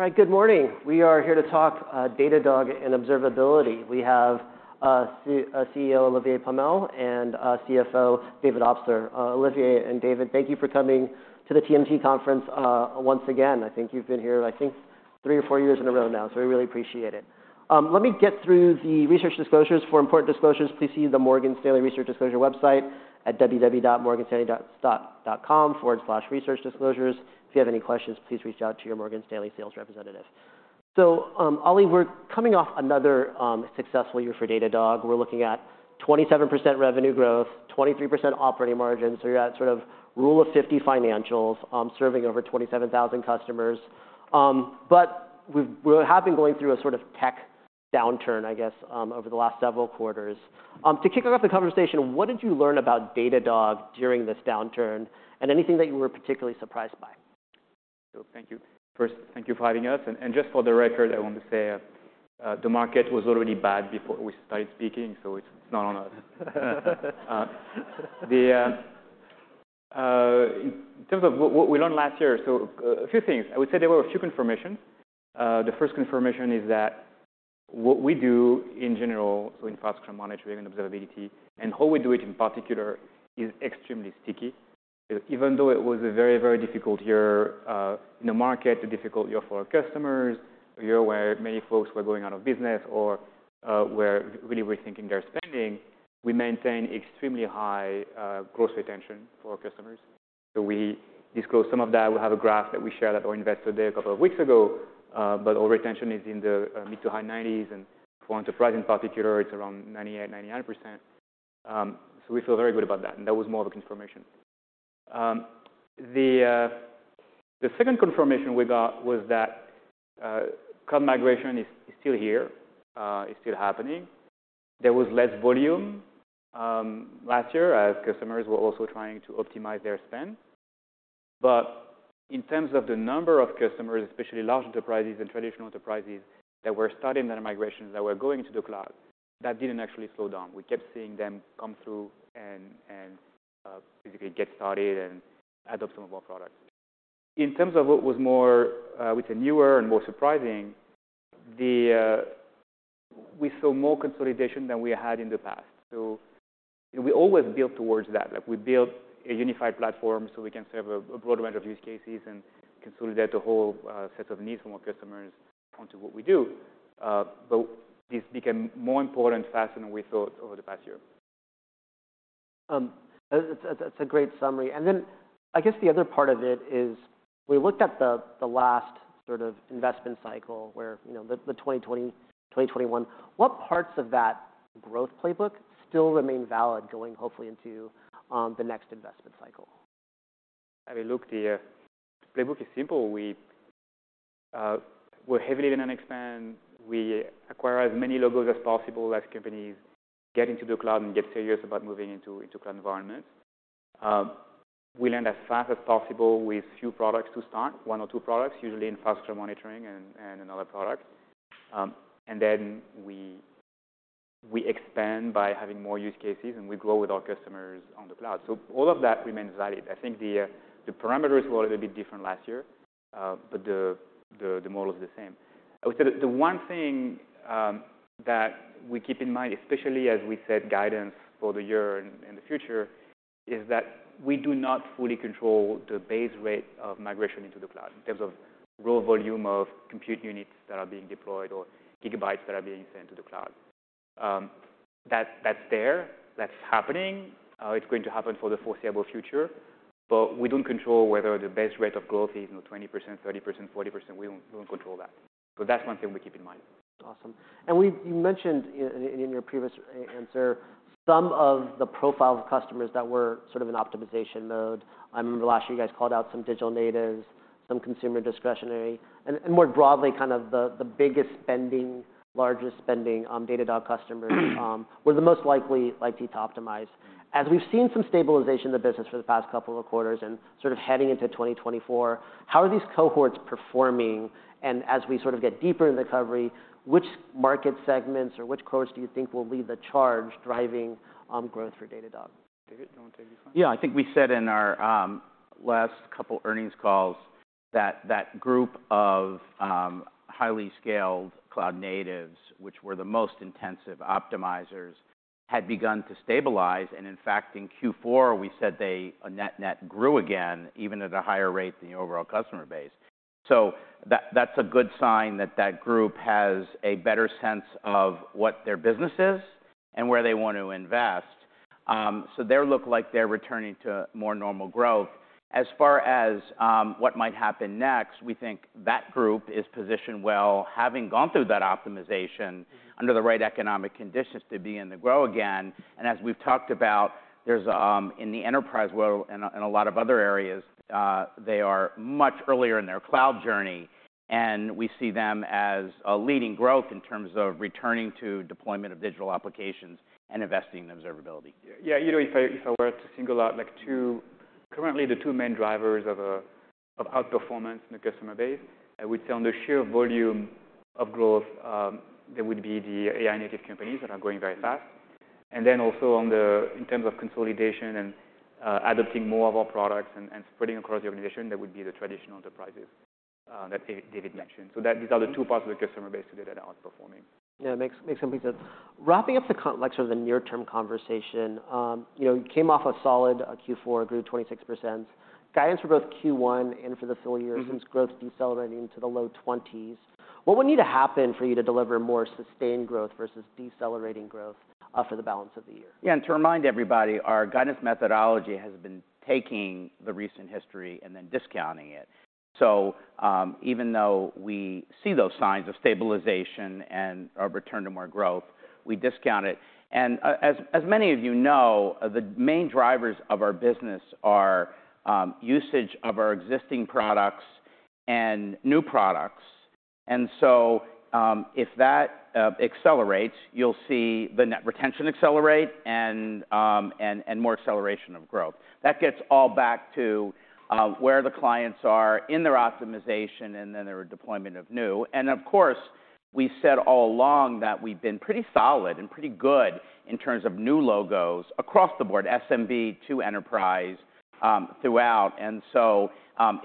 All right, good morning. We are here to talk Datadog and observability. We have CEO Olivier Pomel and CFO David Obstler. Olivier and David, thank you for coming to the TMT Conference once again. I think you've been here, I think, three or four years in a row now, so we really appreciate it. Let me get through the research disclosures. For important disclosures, please see the Morgan Stanley Research Disclosure website at www.morganstanley.com/researchdisclosures. If you have any questions, please reach out to your Morgan Stanley sales representative. So, Ollie, we're coming off another successful year for Datadog. We're looking at 27% revenue growth, 23% operating margin, so you're at sort of Rule of 50 financials, serving over 27,000 customers. But we have been going through a sort of tech downturn, I guess, over the last several quarters. To kick off the conversation, what did you learn about Datadog during this downturn, and anything that you were particularly surprised by? Sure, thank you. First, thank you for having us. And just for the record, I want to say, the market was already bad before we started speaking, so it's not on us. In terms of what we learned last year, a few things. I would say there were a few confirmations. The first confirmation is that what we do in general, so in Infrastructure Monitoring and observability, and how we do it in particular, is extremely sticky. Even though it was a very, very difficult year in the market, a difficult year for our customers, a year where many folks were going out of business or really rethinking their spending, we maintain extremely high gross retention for our customers. So we disclosed some of that. We have a graph that we share that our Investor Day a couple of weeks ago, but our retention is in the mid- to high 90s%. For enterprise in particular, it's around 98%-99%. So we feel very good about that. That was more of a confirmation. The second confirmation we got was that cloud migration is still here, is still happening. There was less volume last year as customers were also trying to optimize their spend. But in terms of the number of customers, especially large enterprises and traditional enterprises that were starting data migrations, that were going into the cloud, that didn't actually slow down. We kept seeing them come through and basically get started and adopt some of our products. In terms of what was more, I would say newer and more surprising, we saw more consolidation than we had in the past. So, you know, we always built towards that. Like, we built a unified platform so we can serve a broad range of use cases and consolidate the whole set of needs from our customers onto what we do. But this became more important faster than we thought over the past year. That's a great summary. And then I guess the other part of it is we looked at the last sort of investment cycle where, you know, the 2020, 2021. What parts of that growth playbook still remain valid going, hopefully, into the next investment cycle? I mean, look, the playbook is simple. We're heavily in an expand. We acquire as many logos as possible as companies get into the cloud and get serious about moving into cloud environments. We land as fast as possible with few products to start, one or two products, usually in Infrastructure Monitoring and another product. And then we expand by having more use cases, and we grow with our customers on the cloud. So all of that remains valid. I think the parameters were a little bit different last year, but the model's the same. I would say the one thing that we keep in mind, especially as we set guidance for the year and the future, is that we do not fully control the base rate of migration into the cloud in terms of raw volume of compute units that are being deployed or gigabytes that are being sent to the cloud. That, that's there. That's happening. It's going to happen for the foreseeable future. But we don't control whether the base rate of growth is, you know, 20%, 30%, 40%. We don't control that. So that's one thing we keep in mind. Awesome. You mentioned in your previous answer some of the profiles of customers that were sort of in optimization mode. I remember last year you guys called out some digital natives, some consumer discretionary. More broadly, kind of the biggest spending, largest spending Datadog customers were the most likely IT to optimize. As we've seen some stabilization in the business for the past couple of quarters and sort of heading into 2024, how are these cohorts performing? And as we sort of get deeper into the recovery, which market segments or which cohorts do you think will lead the charge driving growth for Datadog? David, do you wanna take this one? Yeah. I think we said in our last couple earnings calls that that group of highly scaled cloud natives, which were the most intensive optimizers, had begun to stabilize. And in fact, in Q4, we said they, net net, grew again even at a higher rate than the overall customer base. So that's a good sign that that group has a better sense of what their business is and where they wanna invest. So they look like they're returning to more normal growth. As far as what might happen next, we think that group is positioned well, having gone through that optimization under the right economic conditions to begin to grow again. And as we've talked about, there's in the enterprise world and a lot of other areas, they are much earlier in their cloud journey. We see them as leading growth in terms of returning to deployment of digital applications and investing in observability. Yeah, you know, if I, if I were to single out, like, two—currently the two main drivers of outperformance in the customer base—I would say on the sheer volume of growth, there would be the AI-native companies that are going very fast. And then also on the, in terms of consolidation and adopting more of our products and spreading across the organization, there would be the traditional enterprises that David mentioned. So that these are the two parts of the customer base today that are outperforming. Yeah, it makes, makes complete sense. Wrapping up the call like sort of the near-term conversation, you know, you came off a solid Q4, grew 26%. Guidance for both Q1 and for the fiscal year seems growth decelerating to the low 20s. What would need to happen for you to deliver more sustained growth versus decelerating growth, for the balance of the year? Yeah. And to remind everybody, our guidance methodology has been taking the recent history and then discounting it. So, even though we see those signs of stabilization and return to more growth, we discount it. And, as many of you know, the main drivers of our business are usage of our existing products and new products. And so, if that accelerates, you'll see the net retention accelerate and more acceleration of growth. That gets all back to where the clients are in their optimization and then their deployment of new. And of course, we said all along that we've been pretty solid and pretty good in terms of new logos across the board, SMB to enterprise, throughout. And so,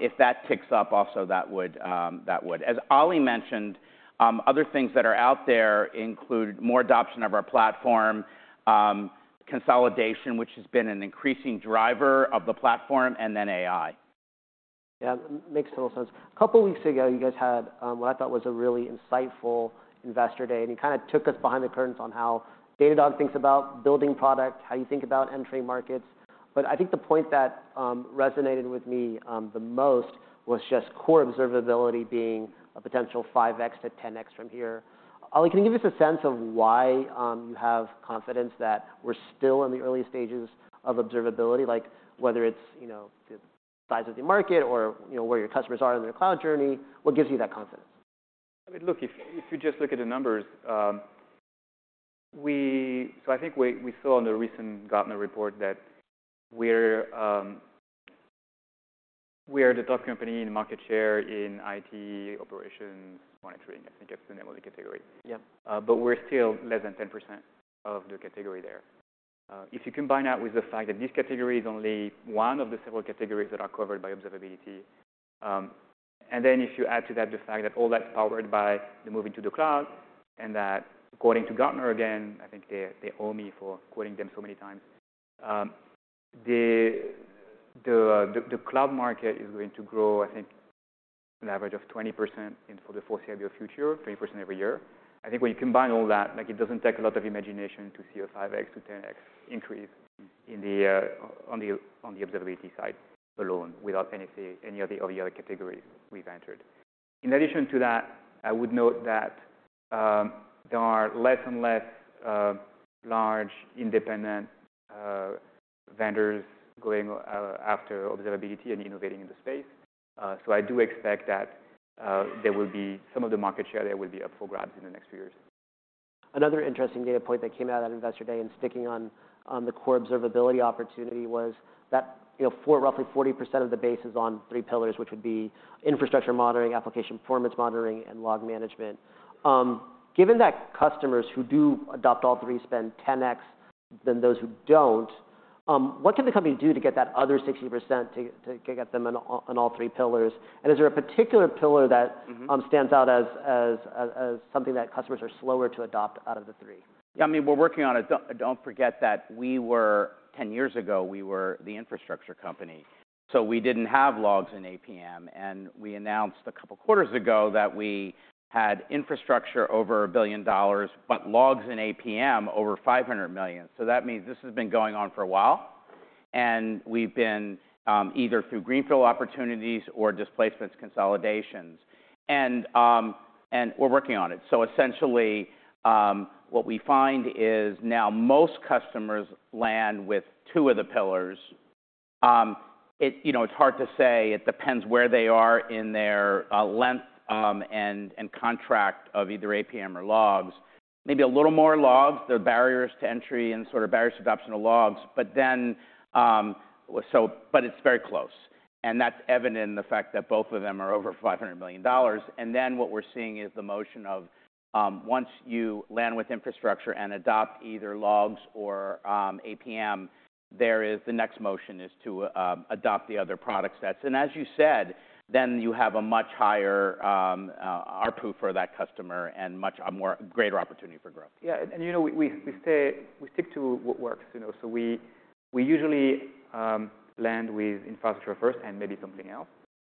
if that ticks up, also that would, that would as Ollie mentioned. Other things that are out there include more adoption of our platform, consolidation, which has been an increasing driver of the platform, and then AI. Yeah, makes total sense. A couple weeks ago, you guys had, what I thought was a really insightful Investor Day, and you kinda took us behind the curtains on how Datadog thinks about building product, how you think about entering markets. But I think the point that, resonated with me, the most was just core observability being a potential 5x-10x from here. Ollie, can you give us a sense of why, you have confidence that we're still in the early stages of observability, like, whether it's, you know, the size of the market or, you know, where your customers are in their cloud journey? What gives you that confidence? I mean, look, if you just look at the numbers, so I think we saw on the recent Gartner report that we are the top company in market share in IT operations monitoring, I think, as the name of the category. Yeah. But we're still less than 10% of the category there. If you combine that with the fact that this category is only one of the several categories that are covered by observability, and then if you add to that the fact that all that's powered by the move into the cloud and that according to Gartner again, I think they owe me for quoting them so many times, the cloud market is going to grow, I think, an average of 20% in for the foreseeable future, 20% every year. I think when you combine all that, like, it doesn't take a lot of imagination to see a 5x-10x increase in the observability side alone without any of the other categories we've entered. In addition to that, I would note that there are less and less large, independent vendors going after observability and innovating in the space. So I do expect that there will be some of the market share there will be up for grabs in the next few years. Another interesting data point that came out of that Investor Day and sticking on, on the core observability opportunity was that, you know, roughly 40% of the base is on three pillars, which would be infrastructure monitoring, application performance monitoring, and log management. Given that customers who do adopt all three spend 10x than those who don't, what can the company do to get that other 60% to, to get them on all, on all three pillars? Is there a particular pillar that stands out as, as, as, as something that customers are slower to adopt out of the three? Yeah. I mean, we're working on it. Don't, don't forget that we were 10 years ago, we were the infrastructure company. So we didn't have Logs and APM. And we announced a couple quarters ago that we had infrastructure over $1 billion but Logs and APM over $500 million. So that means this has been going on for a while. And we've been, either through greenfield opportunities or displacements consolidations. And, and we're working on it. So essentially, what we find is now most customers land with two of the pillars. It you know, it's hard to say. It depends where they are in their, length, and, and contract of either APM or logs. Maybe a little more logs, the barriers to entry and sort of barriers to adoption of logs. But then, so but it's very close. And that's evident in the fact that both of them are over $500 million. And then what we're seeing is the motion of, once you land with infrastructure and adopt either logs or APM, there is the next motion is to adopt the other product sets. And as you said, then you have a much higher RPU for that customer and much more greater opportunity for growth. Yeah. And you know, we stick to what works, you know. So we usually land with Infrastructure Monitoring first and maybe something else.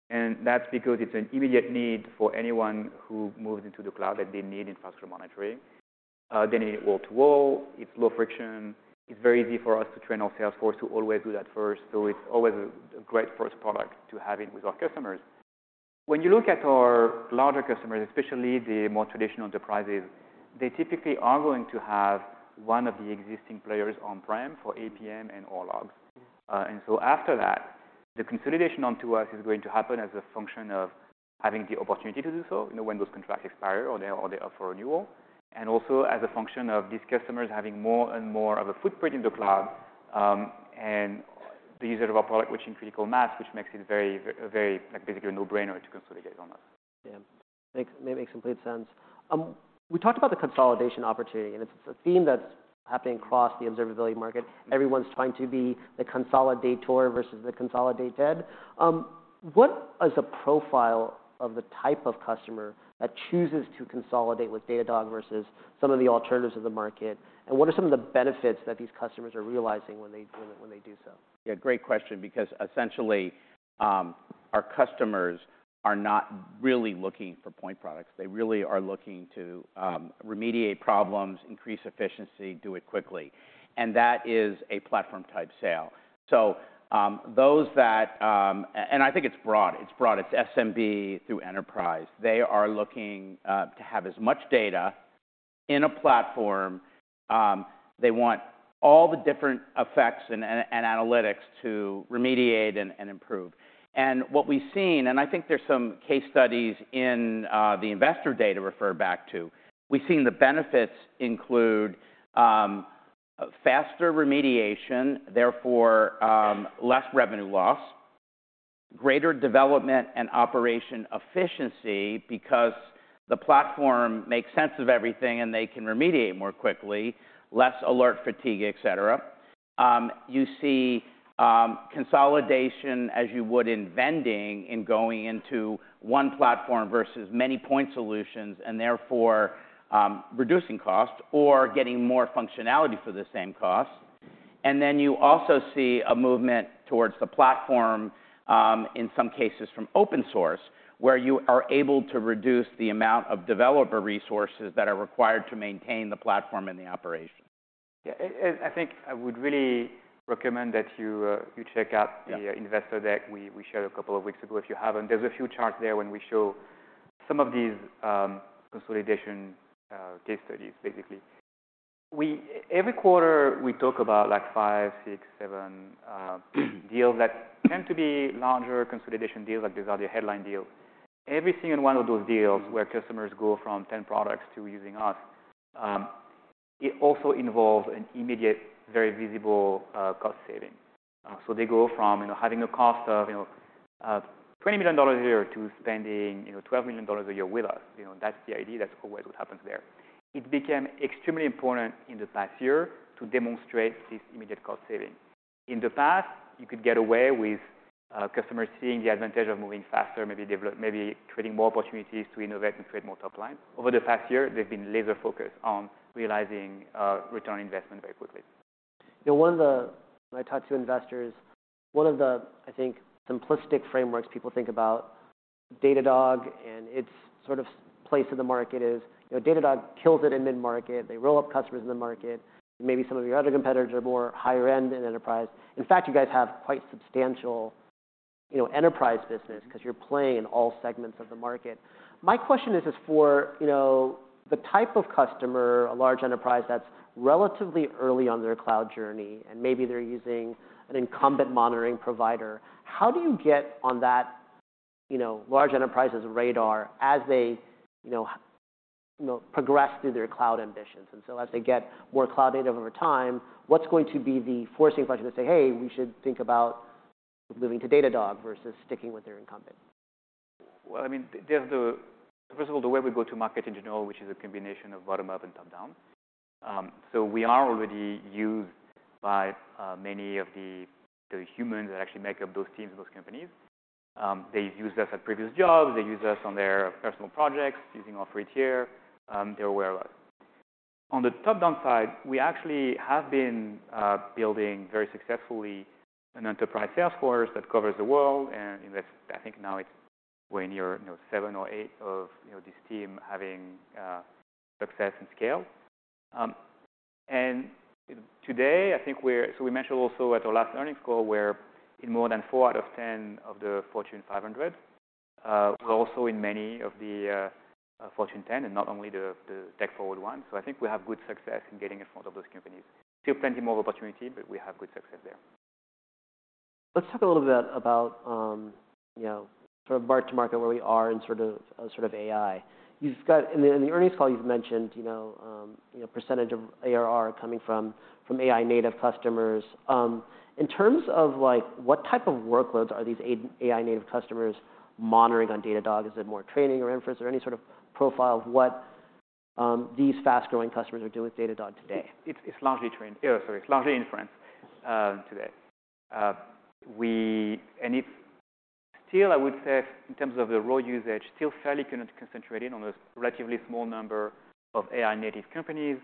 That's because it's an immediate need for anyone who moves into the cloud that they need Infrastructure Monitoring. They need it wall to wall. It's low friction. It's very easy for us to train our sales force to always do that first. So it's always a great first product to have in with our customers. When you look at our larger customers, especially the more traditional enterprises, they typically are going to have one of the existing players on-prem for APM and all logs. So after that, the consolidation onto us is going to happen as a function of having the opportunity to do so, you know, when those contracts expire or they offer renewal. Also, as a function of these customers having more and more of a footprint in the cloud, and the usage of our product reaching critical mass, which makes it very, very, like, basically a no-brainer to consolidate on us. Yeah. Makes sense. We talked about the consolidation opportunity, and it's a theme that's happening across the observability market. Everyone's trying to be the consolidator versus the consolidated. What is the profile of the type of customer that chooses to consolidate with Datadog versus some of the alternatives of the market? And what are some of the benefits that these customers are realizing when they do so? Yeah. Great question because essentially, our customers are not really looking for point products. They really are looking to remediate problems, increase efficiency, do it quickly. And that is a platform-type sale. So, those that, and I think it's broad. It's broad. It's SMB through enterprise. They are looking to have as much data in a platform. They want all the different effects and, and, and analytics to remediate and, and improve. And what we've seen and I think there's some case studies in the investor data referred back to. We've seen the benefits include faster remediation, therefore less revenue loss, greater development and operation efficiency because the platform makes sense of everything and they can remediate more quickly, less alert fatigue, etc. You see, consolidation as you would in vending in going into one platform versus many point solutions and therefore, reducing cost or getting more functionality for the same cost. And then you also see a movement towards the platform, in some cases from open source where you are able to reduce the amount of developer resources that are required to maintain the platform and the operation. Yeah. And I think I would really recommend that you check out the investor deck we shared a couple of weeks ago if you haven't. There's a few charts there when we show some of these consolidation case studies, basically. Every quarter we talk about, like, 5, 6, 7 deals that tend to be larger consolidation deals, like these are the headline deals. Every single one of those deals where customers go from 10 products to using us, it also involves an immediate, very visible, cost saving. So they go from, you know, having a cost of, you know, $20 million a year to spending, you know, $12 million a year with us. You know, that's the idea. That's always what happens there. It became extremely important in the past year to demonstrate this immediate cost saving. In the past, you could get away with customers seeing the advantage of moving faster, maybe creating more opportunities to innovate and create more top line. Over the past year, they've been laser-focused on realizing return on investment very quickly. You know, when I talk to investors, one of the, I think, simplistic frameworks people think about Datadog and its sort of place in the market is, you know, Datadog kills it in mid-market. They roll up customers in the market. Maybe some of your other competitors are more higher-end in enterprise. In fact, you guys have quite substantial, you know, enterprise business 'cause you're playing in all segments of the market. My question is for, you know, the type of customer, a large enterprise that's relatively early on their cloud journey and maybe they're using an incumbent monitoring provider, how do you get on that, you know, large enterprise's radar as they, you know, progress through their cloud ambitions? And so as they get more cloud-native over time, what's going to be the forcing function to say, "Hey, we should think about moving to Datadog versus sticking with their incumbent"? Well, I mean, there's the first of all, the way we go to market in general, which is a combination of bottom-up and top-down. So we are already used by many of the humans that actually make up those teams in those companies. They've used us at previous jobs. They use us on their personal projects using Free Tier. They're aware of us. On the top-down side, we actually have been building very successfully an enterprise sales force that covers the world. And, you know, that's I think now it's we're near, you know, 7 or 8 of, you know, this team having success and scale. And today, I think we're so we mentioned also at our last earnings call we're in more than 4 out of 10 of the Fortune 500. We're also in many of the Fortune 10 and not only the tech-forward ones. So I think we have good success in getting in front of those companies. Still plenty more of opportunity, but we have good success there. Let's talk a little bit about, you know, sort of mark-to-market where we are in sort of, sort of AI. You've got in the earnings call, you've mentioned, you know, you know, percentage of ARR coming from, from AI-native customers. In terms of, like, what type of workloads are these AI-native customers monitoring on Datadog? Is it more training or inference or any sort of profile of what these fast-growing customers are doing with Datadog today? It's largely trained, oh sorry. It's largely inference today. And it's still, I would say, in terms of the raw usage, still fairly concentrated on a relatively small number of AI-native companies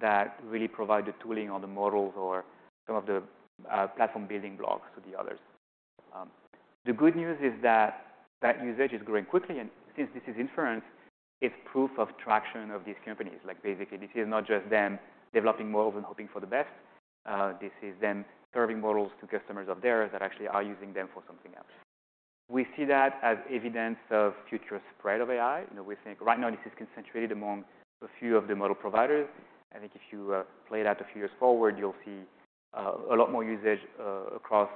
that really provide the tooling or the models or some of the platform-building blocks to the others. The good news is that that usage is growing quickly. And since this is inference, it's proof of traction of these companies. Like, basically, this is not just them developing models and hoping for the best. This is them serving models to customers of theirs that actually are using them for something else. We see that as evidence of future spread of AI. You know, we think right now, this is concentrated among a few of the model providers. I think if you play it out a few years forward, you'll see a lot more usage across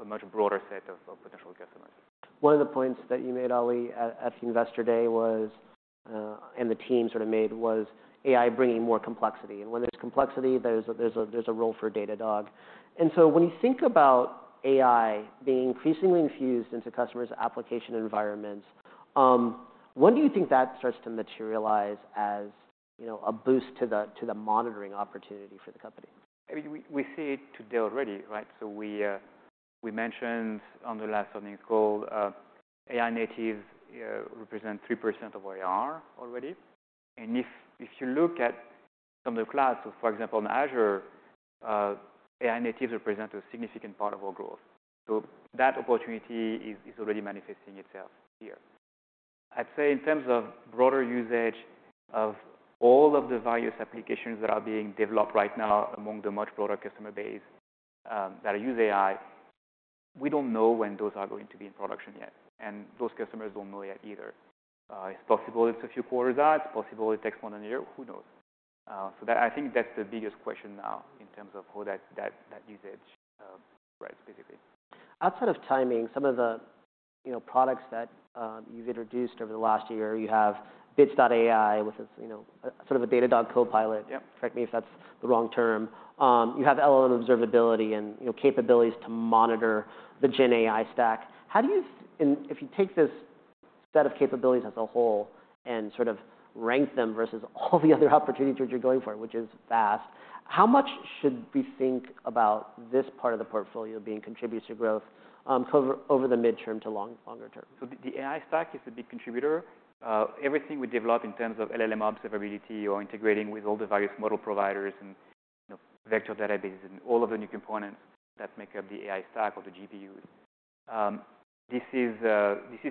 a much broader set of potential customers. One of the points that you made, Ollie, at the Investor Day was, and the team sort of made, was AI bringing more complexity. And when there's complexity, there's a role for Datadog. And so when you think about AI being increasingly infused into customers' application environments, when do you think that starts to materialize as, you know, a boost to the monitoring opportunity for the company? I mean, we see it today already, right? So we mentioned on the last earnings call, AI natives represent 3% of our AR already. And if you look at some of the clouds, so for example, in Azure, AI natives represent a significant part of our growth. So that opportunity is already manifesting itself here. I'd say in terms of broader usage of all of the various applications that are being developed right now among the much broader customer base that use AI, we don't know when those are going to be in production yet. And those customers don't know yet either. It's possible it's a few quarters out. It's possible it takes more than a year. Who knows? So that I think that's the biggest question now in terms of how that usage spreads, basically. Outside of timing, some of the, you know, products that, you've introduced over the last year, you have Bits AI with its, you know, a sort of a Datadog Copilot. Yep. Correct me if that's the wrong term. You have LLM observability and, you know, capabilities to monitor the GenAI stack. How do you think if you take this set of capabilities as a whole and sort of rank them versus all the other opportunities which you're going for, which is vast, how much should we think about this part of the portfolio being contributes to growth, covering over the mid-term to long, longer term? So the AI stack is a big contributor. Everything we develop in terms of LLM observability or integrating with all the various model providers and, you know, vector databases and all of the new components that make up the AI stack or the GPUs, this is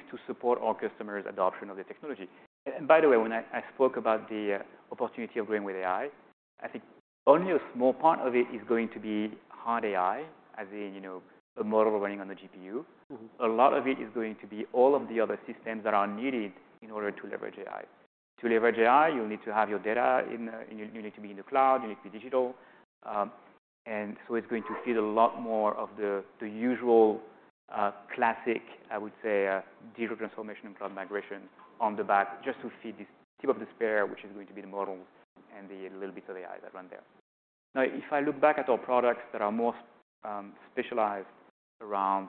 to support our customers' adoption of the technology. And by the way, when I spoke about the opportunity of growing with AI, I think only a small part of it is going to be hard AI, as in, you know, a model running on the GPU. A lot of it is going to be all of the other systems that are needed in order to leverage AI. To leverage AI, you'll need to have your data in. You need to be in the cloud. You need to be digital. And so it's going to feed a lot more of the, the usual, classic, I would say, digital transformation and cloud migration on the back just to feed this tip of the spear, which is going to be the models and the little bits of AI that run there. Now, if I look back at our products that are more, specialized around,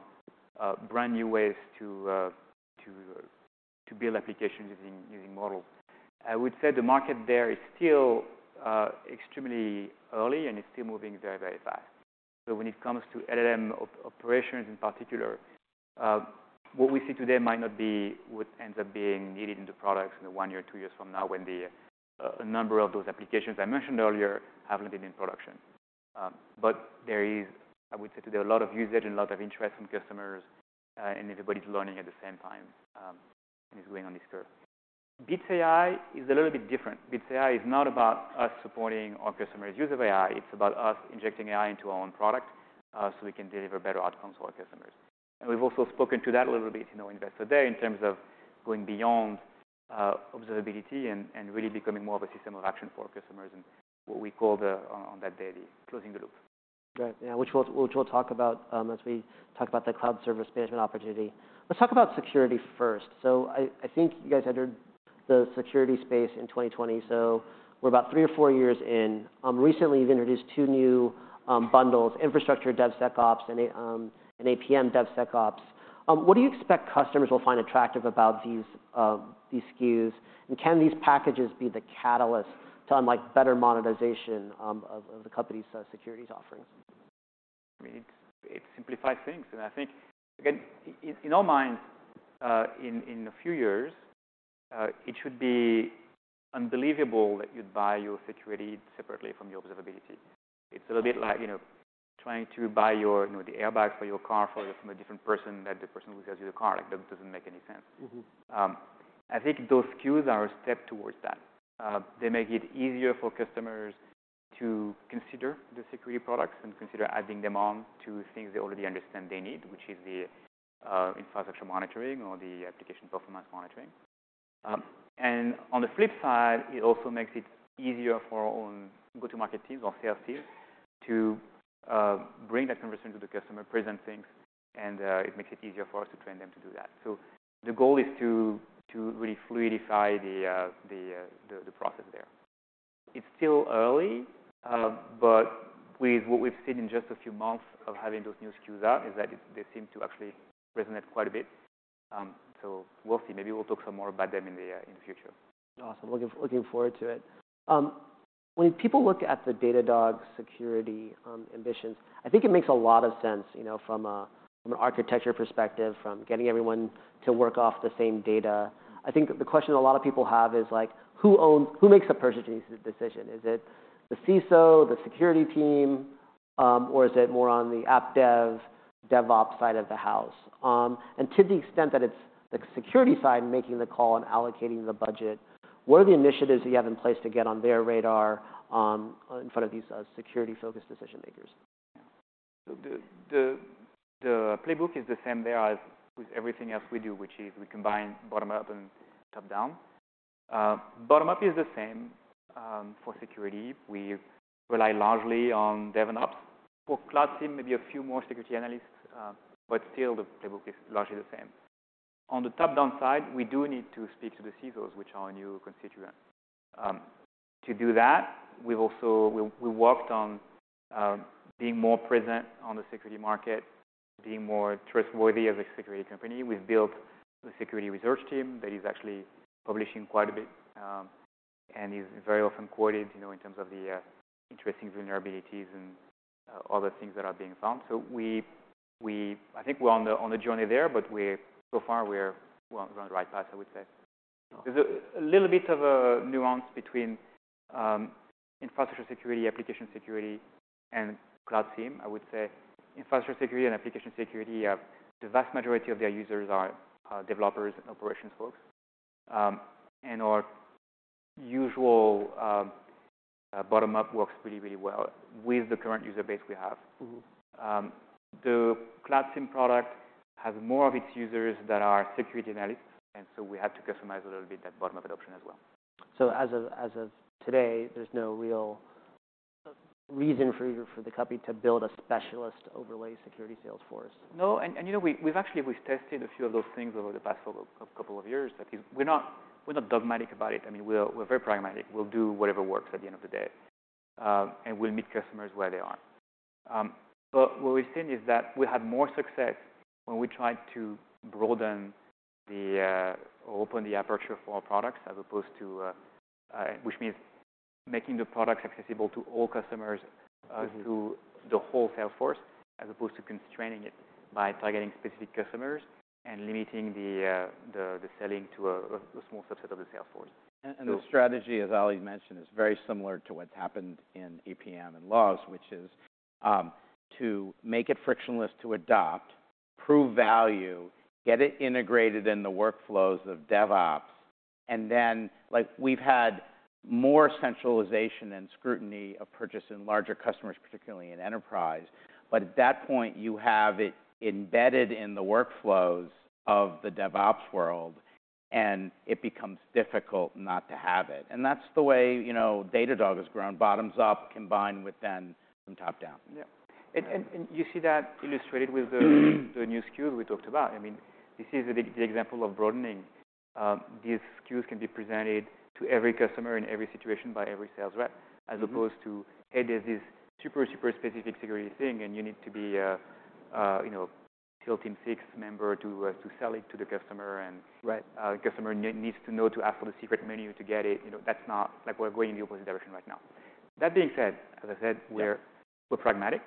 brand new ways to, to, to build applications using, using models, I would say the market there is still, extremely early, and it's still moving very, very fast. So when it comes to LLM operations in particular, what we see today might not be what ends up being needed in the products in the one year, two years from now when the, a number of those applications I mentioned earlier have landed in production. But there is, I would say, today a lot of usage and a lot of interest from customers, and everybody's learning at the same time, and is going on this curve. Bits AI is a little bit different. Bits AI is not about us supporting our customers' use of AI. It's about us injecting AI into our own product, so we can deliver better outcomes for our customers. We've also spoken to that a little bit, you know, Investor Day in terms of going beyond observability and really becoming more of a system of action for our customers and what we call, on that day, closing the loop. Right. Yeah. Which we'll talk about, as we talk about the Cloud Service Management opportunity. Let's talk about security first. So I think you guys entered the security space in 2020. So we're about three or four years in. Recently, you've introduced two new bundles, Infrastructure DevSecOps and APM DevSecOps. What do you expect customers will find attractive about these SKUs? And can these packages be the catalyst to unlock better monetization of the company's security offerings? I mean, it simplifies things. And I think, again, in our minds, in a few years, it should be unbelievable that you'd buy your security separately from your observability. It's a little bit like, you know, trying to buy your, you know, the airbags for your car from a different person than the person who sells you the car. Like, that doesn't make any sense. Mm-hmm. I think those SKUs are a step towards that. They make it easier for customers to consider the security products and consider adding them on to things they already understand they need, which is the Infrastructure Monitoring or the Application Performance Monitoring. And on the flip side, it also makes it easier for our own go-to-market teams or sales teams to bring that conversation to the customer, present things. And it makes it easier for us to train them to do that. So the goal is to really fluidify the process there. It's still early, but with what we've seen in just a few months of having those new SKUs out is that they seem to actually resonate quite a bit. So we'll see. Maybe we'll talk some more about them in the future. Awesome. Looking forward to it. When people look at the Datadog security ambitions, I think it makes a lot of sense, you know, from an architecture perspective, from getting everyone to work off the same data. I think the question a lot of people have is, like, who owns who makes the purchasing decision? Is it the CISO, the security team, or is it more on the app dev, DevOps side of the house? And to the extent that it's the security side making the call and allocating the budget, what are the initiatives that you have in place to get on their radar, in front of these security-focused decision-makers? Yeah. So the playbook is the same there as with everything else we do, which is we combine bottom-up and top-down. Bottom-up is the same, for security. We rely largely on DevOps. For cloud team, maybe a few more security analysts, but still, the playbook is largely the same. On the top-down side, we do need to speak to the CISOs, which are our new constituent. To do that, we've also worked on being more present on the security market, being more trustworthy as a security company. We've built the security research team that is actually publishing quite a bit, and is very often quoted, you know, in terms of the interesting vulnerabilities and other things that are being found. So, I think we're on the journey there, but so far, we're on the right path, I would say. Awesome. There's a little bit of a nuance between infrastructure security, application security, and cloud team, I would say. Infrastructure security and application security, the vast majority of their users are developers and operations folks. Our usual bottom-up works really, really well with the current user base we have. Mm-hmm. The cloud team product has more of its users that are security analysts. And so we had to customize a little bit that bottom-up adoption as well. As of today, there's no real reason for the company to build a specialist overlay security sales force? No. And, you know, we've actually tested a few of those things over the past couple of years. At least we're not dogmatic about it. I mean, we're very pragmatic. We'll do whatever works at the end of the day, and we'll meet customers where they are. But what we've seen is that we had more success when we tried to broaden the, or open the aperture for our products as opposed to, which means making the products accessible to all customers through the whole sales force as opposed to constraining it by targeting specific customers and limiting the selling to a small subset of the sales force. And the strategy, as Ali mentioned, is very similar to what's happened in APM and logs, which is to make it frictionless to adopt, prove value, get it integrated in the workflows of DevOps, and then, like, we've had more centralization and scrutiny of purchase in larger customers, particularly in enterprise. But at that point, you have it embedded in the workflows of the DevOps world, and it becomes difficult not to have it. And that's the way, you know, Datadog has grown, bottoms up combined with then from top down. Yep. And you see that illustrated with the new SKUs we talked about. I mean, this is the example of broadening. These SKUs can be presented to every customer in every situation by every sales rep as opposed to, "Hey, there's this super, super specific security thing, and you need to be, you know, SEAL Team Six member to sell it to the customer." And. Right. The customer needs to know to ask for the secret menu to get it. You know, that's not like, we're going in the opposite direction right now. That being said, as I said, we're. Yep. We're pragmatic.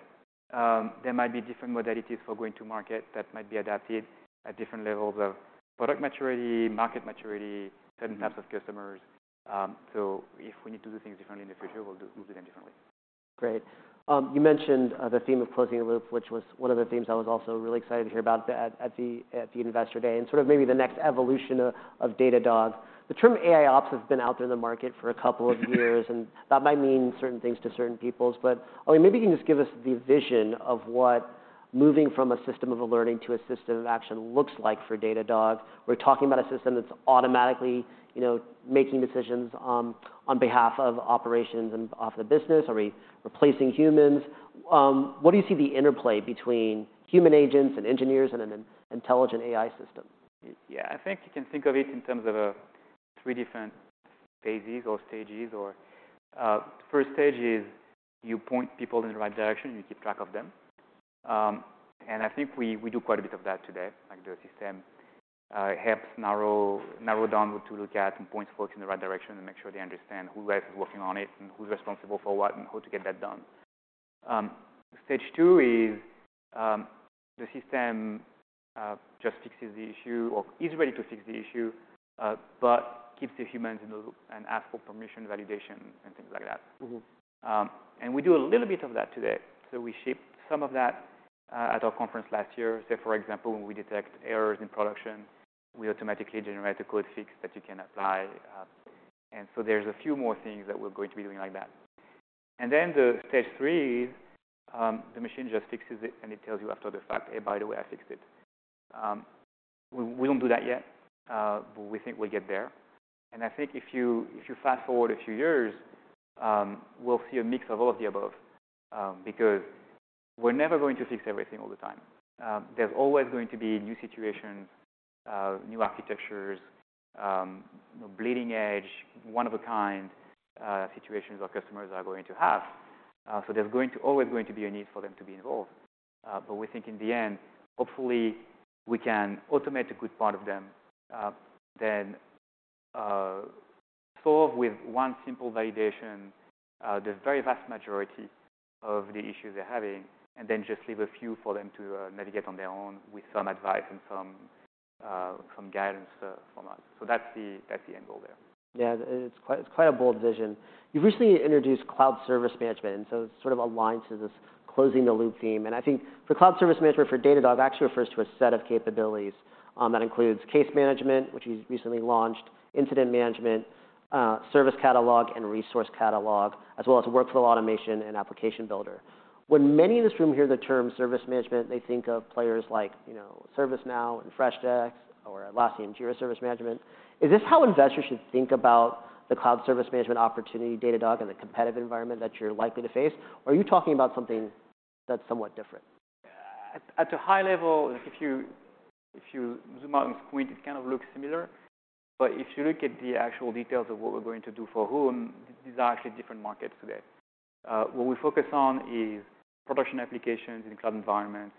There might be different modalities for going to market that might be adapted at different levels of product maturity, market maturity, certain types of customers. So if we need to do things differently in the future, we'll do we'll do them differently. Great. You mentioned the theme of closing the loop, which was one of the themes I was also really excited to hear about at the Investor Day and sort of maybe the next evolution of Datadog. The term AIOps has been out there in the market for a couple of years, and that might mean certain things to certain people. But, Ollie, maybe you can just give us the vision of what moving from a system of alerting to a system of action looks like for Datadog. We're talking about a system that's automatically, you know, making decisions on behalf of operations and of the business. Are we replacing humans? What do you see the interplay between human agents and engineers and an intelligent AI system? Yeah. I think you can think of it in terms of three different phases or stages. Or, the first stage is you point people in the right direction, and you keep track of them. And I think we do quite a bit of that today. Like, the system helps narrow down what to look at and points folks in the right direction and make sure they understand who else is working on it and who's responsible for what and how to get that done. Stage two is, the system just fixes the issue or is ready to fix the issue, but keeps the humans in the loop and asks for permission, validation, and things like that. Mm-hmm. And we do a little bit of that today. So we shipped some of that, at our conference last year. Say, for example, when we detect errors in production, we automatically generate a code fix that you can apply. And so there's a few more things that we're going to be doing like that. And then the stage three is, the machine just fixes it, and it tells you after the fact, "Hey, by the way, I fixed it." We, we don't do that yet, but we think we'll get there. And I think if you if you fast forward a few years, we'll see a mix of all of the above, because we're never going to fix everything all the time. There's always going to be new situations, new architectures, you know, bleeding edge, one-of-a-kind, situations our customers are going to have. So there's always going to be a need for them to be involved. But we think in the end, hopefully, we can automate a good part of them, then solve with one simple validation the very vast majority of the issues they're having and then just leave a few for them to navigate on their own with some advice and some guidance from us. So that's the end goal there. Yeah. It's quite a bold vision. You've recently introduced Cloud Service Management, and so it sort of aligns to this closing-the-loop theme. I think for Cloud Service Management, for Datadog, actually refers to a set of capabilities, that includes case management, which we recently launched, incident management, service catalog and resource catalog, as well as workflow automation and application builder. When many in this room hear the term service management, they think of players like, you know, ServiceNow and Freshdesk or Atlassian Jira Service Management. Is this how investors should think about the Cloud Service Management opportunity Datadog and the competitive environment that you're likely to face? Or are you talking about something that's somewhat different? At a high level, like, if you zoom out and squint, it kind of looks similar. But if you look at the actual details of what we're going to do for whom, these are actually different markets today. What we focus on is production applications in cloud environments.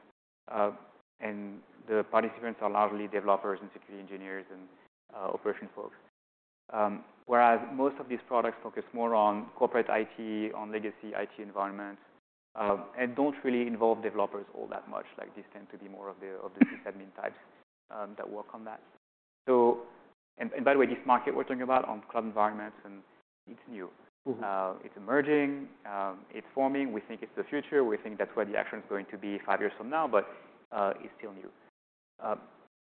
And the participants are largely developers and security engineers and operations folks. Whereas most of these products focus more on corporate IT, on legacy IT environments, and don't really involve developers all that much. Like, these tend to be more of the sysadmin types that work on that. So, and by the way, this market we're talking about on cloud environments, and it's new. It's emerging. It's forming. We think it's the future. We think that's where the action's going to be five years from now. But it's still new.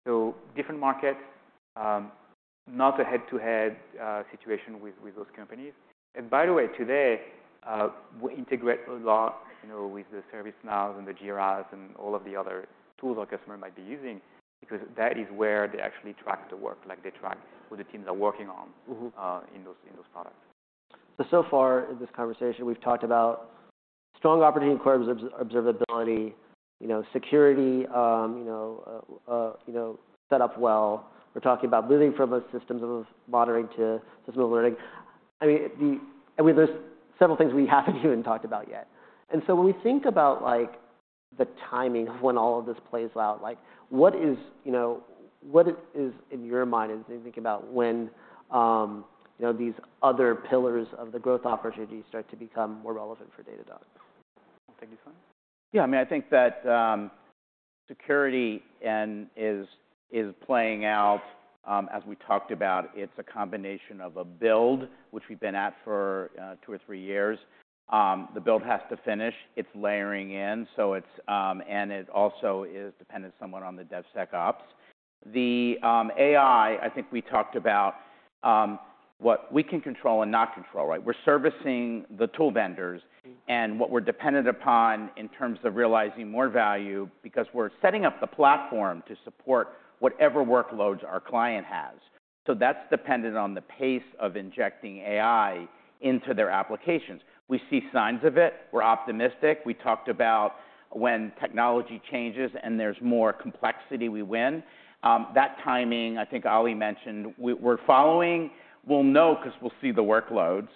So different markets, not a head-to-head situation with those companies. And by the way, today, we integrate a lot, you know, with the ServiceNows and the Jiras and all of the other tools our customer might be using because that is where they actually track the work. Like, they track what the teams are working on in those products. So far in this conversation, we've talked about strong opportunity observability, you know, security, you know, you know, set up well. We're talking about moving from a systems of monitoring to systems of learning. I mean, I mean, there's several things we haven't even talked about yet. So when we think about, like, the timing of when all of this plays out, like, what is, you know, what is in your mind as you think about when, you know, these other pillars of the growth opportunity start to become more relevant for Datadog? I'll take this one. Yeah. I mean, I think that security and is, is playing out, as we talked about, it's a combination of a build, which we've been at for two or three years. The build has to finish. It's layering in. So it's, and it also is dependent somewhat on the DevSecOps. The AI, I think we talked about, what we can control and not control, right? We're servicing the tool vendors. And what we're dependent upon in terms of realizing more value because we're setting up the platform to support whatever workloads our client has. So that's dependent on the pace of injecting AI into their applications. We see signs of it. We're optimistic. We talked about when technology changes and there's more complexity, we win. That timing, I think Ollie mentioned, we're following. We'll know because we'll see the workloads.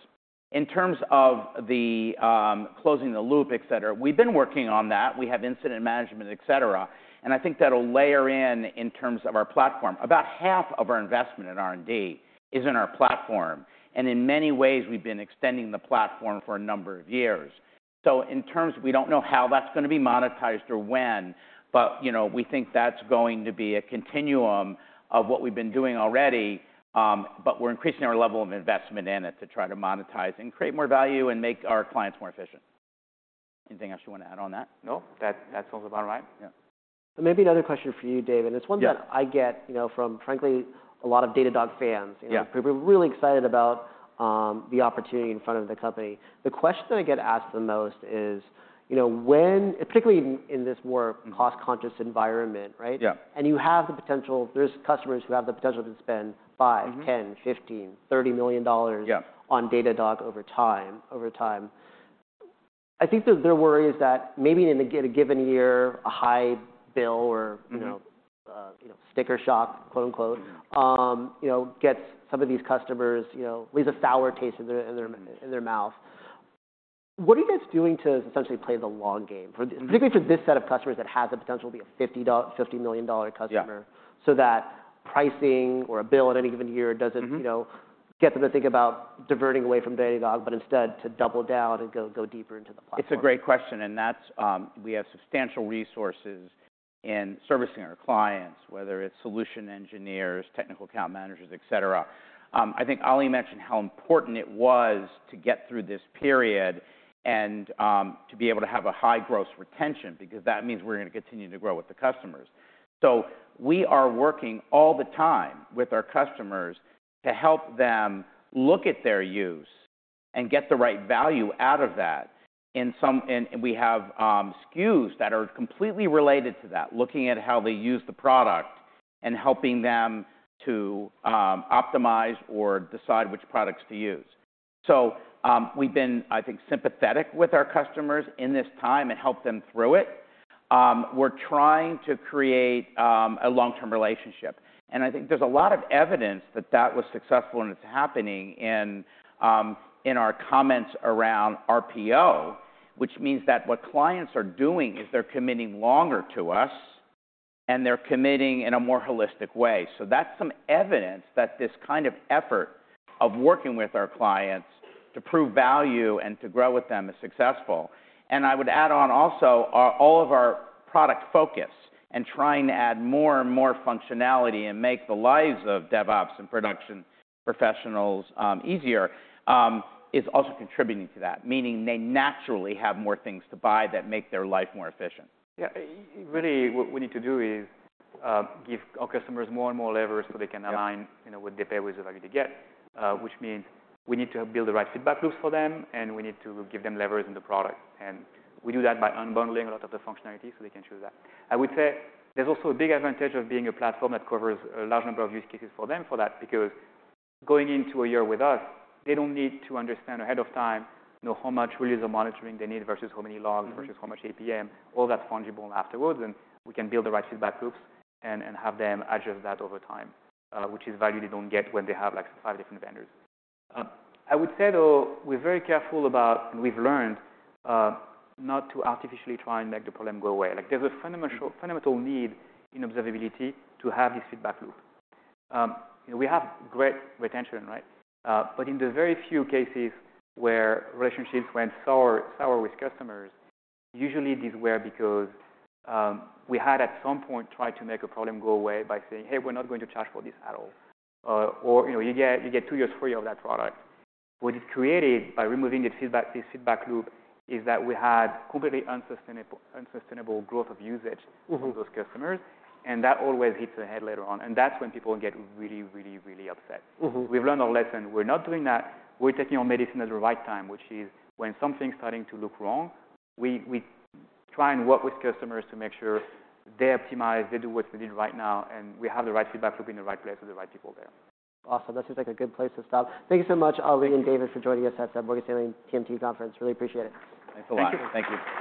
In terms of the, closing the loop, etc., we've been working on that. We have incident management, etc. And I think that'll layer in in terms of our platform. About half of our investment in R&D is in our platform. And in many ways, we've been extending the platform for a number of years. So in terms, we don't know how that's going to be monetized or when, but, you know, we think that's going to be a continuum of what we've been doing already, but we're increasing our level of investment in it to try to monetize and create more value and make our clients more efficient. Anything else you want to add on that? No. That sounds about right. Yeah. Maybe another question for you, David. It's one that I get, you know, from, frankly, a lot of Datadog fans. Yeah. You know, people are really excited about the opportunity in front of the company. The question that I get asked the most is, you know, when particularly in this more cost-conscious environment, right? Yeah. You have the potential. There's customers who have the potential to spend $5 million, $10 million, $15 million, $30 million. Yeah. On Datadog over time. I think that there are worries that maybe in a given year, a high bill or, you know, sticker shock, quote-unquote, you know, gets some of these customers, you know, leaves a sour taste in their mouth. What are you guys doing to essentially play the long game for particularly for this set of customers that has the potential to be a $50 million customer so that pricing or a bill in any given year doesn't, you know, get them to think about diverting away from Datadog but instead to double down and go deeper into the platform? It's a great question. And that's, we have substantial resources in servicing our clients, whether it's solution engineers, technical account managers, etc. I think Ollie mentioned how important it was to get through this period and, to be able to have a high gross retention because that means we're going to continue to grow with the customers. So we are working all the time with our customers to help them look at their use and get the right value out of that in some and we have, SKUs that are completely related to that, looking at how they use the product and helping them to, optimize or decide which products to use. So, we've been, I think, sympathetic with our customers in this time and helped them through it. We're trying to create, a long-term relationship. And I think there's a lot of evidence that that was successful, and it's happening in, in our comments around RPO, which means that what clients are doing is they're committing longer to us, and they're committing in a more holistic way. So that's some evidence that this kind of effort of working with our clients to prove value and to grow with them is successful. And I would add on also, all of our product focus and trying to add more and more functionality and make the lives of DevOps and production professionals easier, is also contributing to that, meaning they naturally have more things to buy that make their life more efficient. Yeah. Really, what we need to do is give our customers more and more levers so they can align, you know, with the pay-worthy value they get, which means we need to build the right feedback loops for them, and we need to give them levers in the product. We do that by unbundling a lot of the functionality so they can choose that. I would say there's also a big advantage of being a platform that covers a large number of use cases for them for that because going into a year with us, they don't need to understand ahead of time, know how much release or monitoring they need versus how many logs versus how much APM. All that's fungible afterwards. And we can build the right feedback loops and have them adjust that over time, which is value they don't get when they have, like, five different vendors. I would say, though, we're very careful about and we've learned not to artificially try and make the problem go away. Like, there's a fundamental need in observability to have this feedback loop. You know, we have great retention, right? But in the very few cases where relationships went sour with customers, usually these were because we had at some point tried to make a problem go away by saying, "Hey, we're not going to charge for this at all," or, you know, you get two years free of that product. What it created by removing that feedback loop is that we had completely unsustainable growth of usage from those customers. That always hits a head later on. That's when people get really, really, really upset. Mm-hmm. We've learned our lesson. We're not doing that. We're taking our medicine at the right time, which is when something's starting to look wrong, we try and work with customers to make sure they optimize, they do what they need right now, and we have the right feedback loop in the right place with the right people there. Awesome. That seems like a good place to stop. Thank you so much, Ollie and David, for joining us at the Morgan Stanley TMT Conference. Really appreciate it. Thanks a lot. Thank you. Thank you.